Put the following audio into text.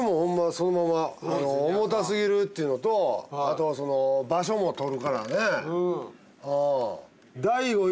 そのまま重たすぎるっていうのとあとはその場所も取るからね。